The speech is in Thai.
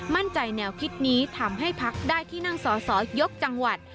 แนวคิดนี้ทำให้พักได้ที่นั่งสอสอยกจังหวัด